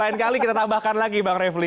lain kali kita tambahkan lagi bang refli